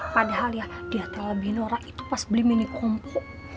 padahal ya dia teh lebih norak itu pas beli mini kompo